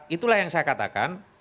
itulah yang saya katakan